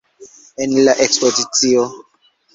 En la ekspozicio.